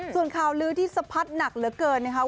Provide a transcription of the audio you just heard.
ส่วนข่าวลื้อที่สะพัดหนักเหลือเกินนะคะ